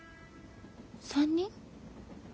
３人？